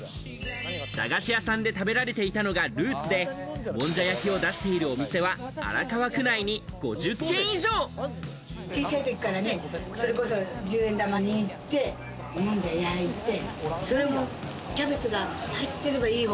駄菓子屋さんで食べられていたのがルーツでもんじゃ焼きを出しているお店は荒川区内にちっちゃいときからね、１０円玉握ってもんじゃ焼いてキャベツが入ってればいい方。